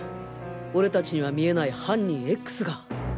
俺達には見えない犯人“Ｘ”が。